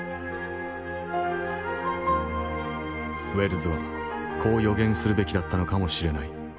ウェルズはこう予言するべきだったのかもしれない。